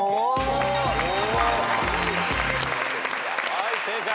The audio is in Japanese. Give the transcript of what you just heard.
はい正解。